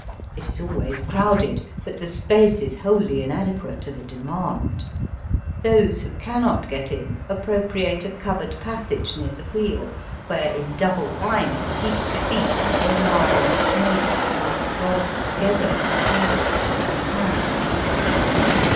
It is always crowded, but the space is wholly inadequate to the demand. Those who cannot get in appropriate a covered passage near the wheel, where in double line, feet to feet, they lie and smoke " like gods together, careless of mankind."